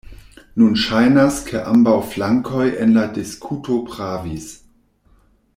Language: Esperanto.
Nun ŝajnas ke ambaŭ flankoj en la diskuto pravis.